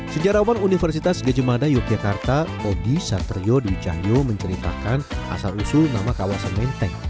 sejarawan universitas gejemada yogyakarta odi satrio dwi cahyo menceritakan asal usul nama kawasan menteng